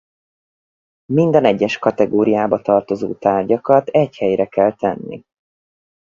Minden egyes kategóriába tartozó tárgyakat egy helyre kell tenni.